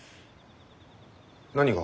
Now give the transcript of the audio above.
何が？